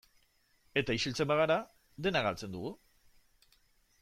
Eta isiltzen bagara, dena galtzen dugu.